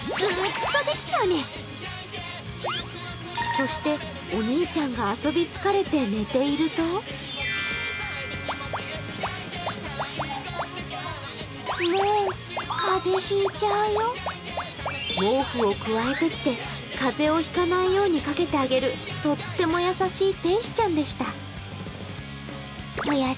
そしてお兄ちゃんが遊び疲れて寝ていると毛布をくわえてきて風邪をひかないようにかけてあげるとっても優しい天使ちゃんでした。